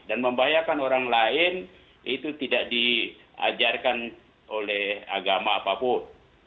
dan membahayakan orang lain itu tidak diajarkan oleh agama apapun